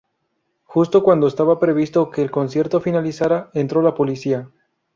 Justo cuando estaba previsto que el concierto finalizara entro la policía.